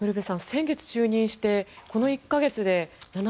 先月就任してこの１か月で７％。